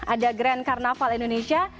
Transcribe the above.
ada grand karnaval indonesia